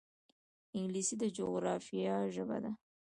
انګلیسي د جغرافیې ژبه ده